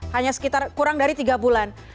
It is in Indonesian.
hanya sekitar kurang dari tiga bulan